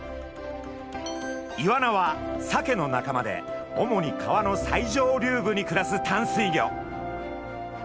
イワナはサケの仲間で主に川の最上流部に暮らす淡水魚。